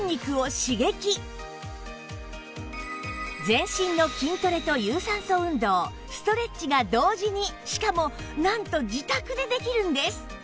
全身の筋トレと有酸素運動ストレッチが同時にしかもなんと自宅でできるんです！